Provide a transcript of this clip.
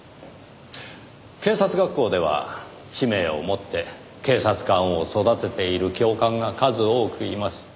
警察学校では使命を持って警察官を育てている教官が数多くいます。